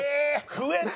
増えたね！